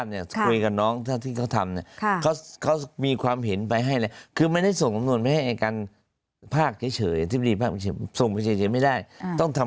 หลัง๑๒มีนาก็คือ๑๒เนี่ยถ้าที่ผมทราบเนี่ย